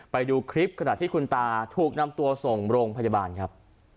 ไปดูคลิปขณะที่คุณตาถูกนำตัวส่งโรงพยาบาลครับ